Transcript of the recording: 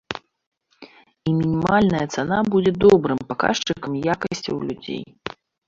І мінімальная цана будзе добрым паказчыкам якасцяў людзей.